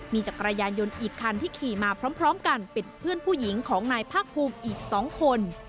มีจักรยานยนต์อีกคันที่ขี่มาพร้อมกันเป็นเพื่อนผู้หญิงของนายภาคภูมิอีก๒คน